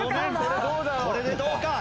これでどうか？